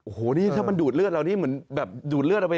โอ้โหนี่ถ้ามันดูดเลือดเรานี่เหมือนแบบดูดเลือดออกไป